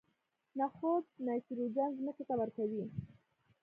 نخود نایتروجن ځمکې ته ورکوي.